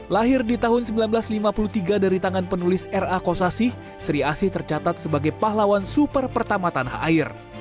lahir di tahun seribu sembilan ratus lima puluh tiga dari tangan penulis r a kosasi sri asi tercatat sebagai pahlawan super pertama tanah air